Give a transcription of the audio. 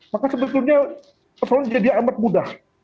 maka sebetulnya persoalan jadi amat mudah